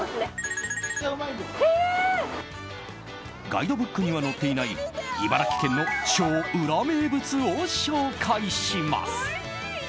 ガイドブックには載っていない茨城県の超ウラ名物を紹介します。